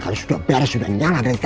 kalau sudah beres sudah nyala dari tadi